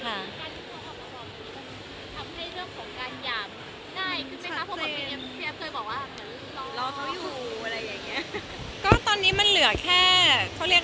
การที่เคารพทุกวันนี้ทำให้เรื่องของการยามได้ขึ้นไหมคะ